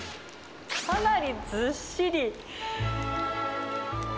かなりずっしり。